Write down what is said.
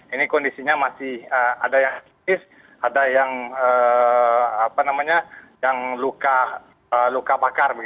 ini kondisinya masih ada yang kritis ada yang luka bakar